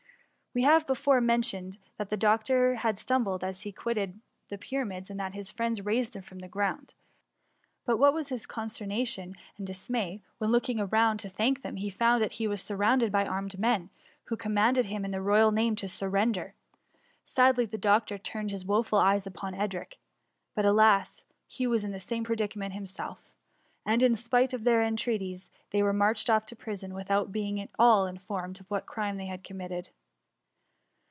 We have before mentioned, that the doctor had stumbled as he quitted the Py ramids, and that his friends raised him from the ground; but what was his consternation and dismay, when on looking round to thank them, he found he was surrounded by armed men, who commanded him in the royal name to sur render ! Sadly did the doctor turn his woful eyes upon Edric, but, alas ! he was in the same predicament as himself; and, in spite of their entreaties, they were marched ofiT ta prisbn^' without being at all informed of what crime they had committed.